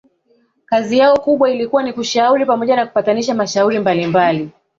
kazi yao kubwa ilikuwa ni kushauri pamoja na kupatanisha mashauri mbalimbali